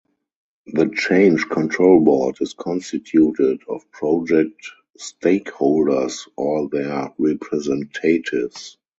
The change control board is constituted of project stakeholders or their representatives.